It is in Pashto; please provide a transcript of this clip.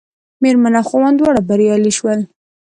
مېرمن او خاوند دواړه بریالي شول.